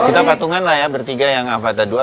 kita patungan lah ya bertiga yang avata dua